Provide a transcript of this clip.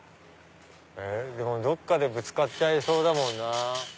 でもどっかでぶつかっちゃいそうだもんな。